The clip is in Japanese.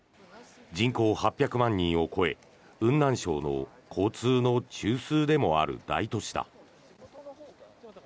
人口８００万人を超え雲南省の交通の中枢でもある大都市だ。